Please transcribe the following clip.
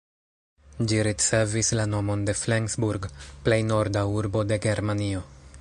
Ĝi ricevis la nomon de Flensburg, plej norda urbo de Germanio.